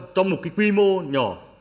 trong một quy mô nhỏ